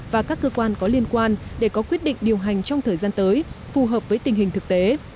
và các cơ quan có liên quan để có quyết định điều hành trong thời gian tới phù hợp với tình hình thực tế